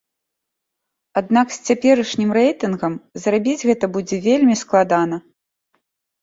Аднак з цяперашнім рэйтынгам зрабіць гэта будзе вельмі складана.